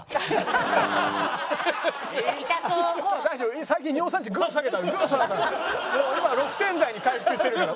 もう今は６点台に回復してるから。